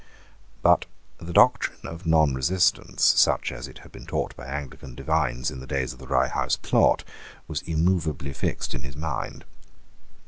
But the doctrine of nonresistance, such as it had been taught by Anglican divines in the days of the Rye House Plot, was immovably fixed in his mind.